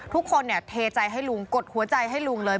ทุกคนเนี่ยเทใจให้ลุงกดหัวใจให้ลุงเลย